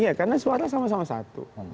iya karena suara sama sama satu